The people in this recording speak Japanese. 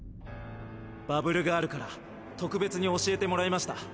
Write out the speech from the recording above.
バブルガールから特別に教えてもらいました。